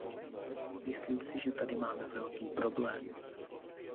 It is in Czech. Myslím si, že tady máme velký problém.